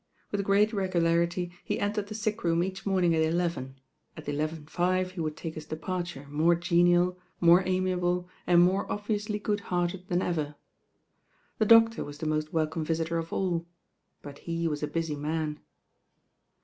With great regularity he entered the sick room each morning at eleven, at eleven five he would take his departure, more genial, more amiable, and more obviously good hearted than ever. The doctor was the most welcome visitor of all; but he was a busy man.